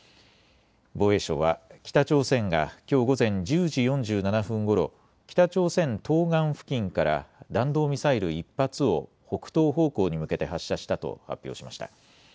防衛省は北朝鮮がきょう午前１０時４７分ごろ、北朝鮮東岸付近から弾道ミサイル１発を北東方向に向けて発射したと発表しました。